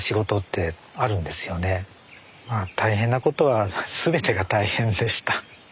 大変なことは全てが大変でした。